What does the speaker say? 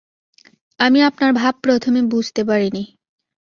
আমি আপনার ভাব প্রথমে বুঝতে পারিনি।